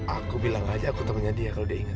aku bilang aja aku temennya dia kalo dia inget